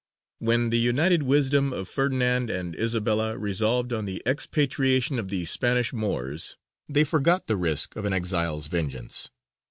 When the united wisdom of Ferdinand and Isabella resolved on the expatriation of the Spanish Moors, they forgot the risk of an exile's vengeance.